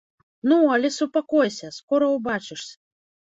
Ну, але супакойся, скора ўбачышся.